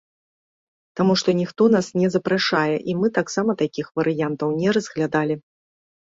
Таму што ніхто нас не запрашае, і мы таксама такіх варыянтаў не разглядалі.